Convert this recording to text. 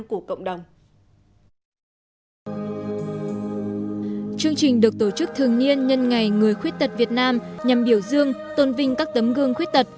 trước thường niên nhân ngày người khuyết tật việt nam nhằm biểu dương tôn vinh các tấm gương khuyết tật